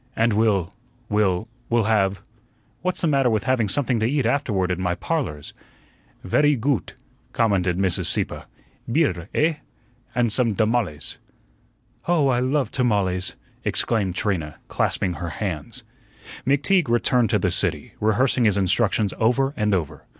"And we'll we'll we'll have what's the matter with having something to eat afterward in my 'Parlors'?" "Vairy goot," commented Mrs. Sieppe. "Bier, eh? And some damales." "Oh, I love tamales!" exclaimed Trina, clasping her hands. McTeague returned to the city, rehearsing his instructions over and over.